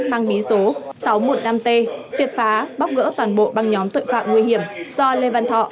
mang bí số sáu trăm một mươi năm t triệt phá bóc gỡ toàn bộ băng nhóm tội phạm nguy hiểm do lê văn thọ